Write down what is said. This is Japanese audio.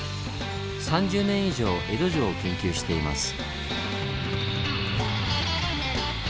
３０年以上江戸城を研究しています。